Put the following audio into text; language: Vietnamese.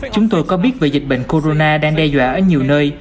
chúng tôi có biết về dịch bệnh corona đang đe dọa ở nhiều nơi